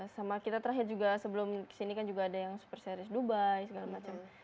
sama kita terakhir juga sebelum kesini kan juga ada yang super series dubai segala macam